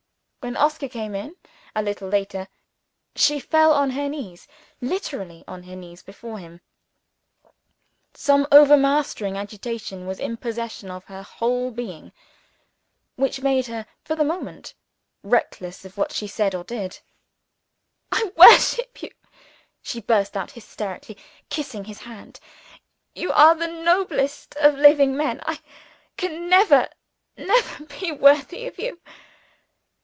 When Oscar came in, a little later, she fell on her knees literally on her knees before him. Some overmastering agitation was in possession of her whole being, which made her, for the moment, reckless of what she said or did. "I worship you!" she burst out hysterically, kissing his hand. "You are the noblest of living men. I can never, never be worthy of you!"